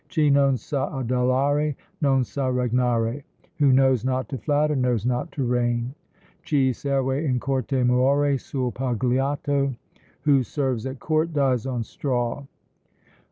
Chi non sa adulare, non sa regnare: "Who knows not to flatter, knows not to reign." Chi serve in corte muore sul' pagliato: "Who serves at court, dies on straw."